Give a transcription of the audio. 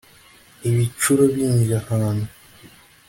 ibicuro bindya ahantu